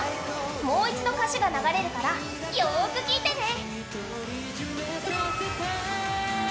もう一度歌詞が流れるからよーく聴いてね！